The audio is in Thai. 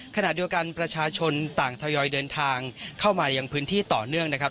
ขณะเดียวกันประชาชนต่างทยอยเดินทางเข้ามายังพื้นที่ต่อเนื่องนะครับ